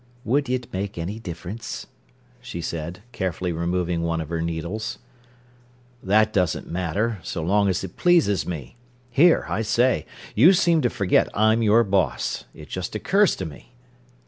"Would it make any difference?" she said, carefully removing one of her needles. "That doesn't matter, so long as it pleases me. Here, I say, you seem to forget I'm your boss. It just occurs to me."